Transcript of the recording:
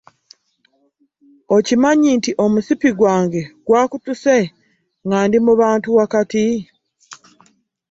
Okimanyi nti omusipi gwange gwakutuse nga ndi mu bantu wakati.